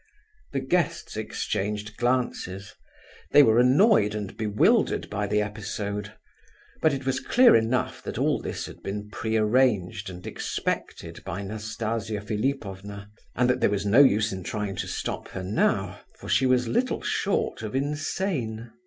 The guests exchanged glances; they were annoyed and bewildered by the episode; but it was clear enough that all this had been pre arranged and expected by Nastasia Philipovna, and that there was no use in trying to stop her now—for she was little short of insane.